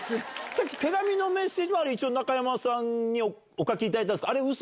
さっき、手紙のメッセージは一応中山さんにお書きいただいたんですか？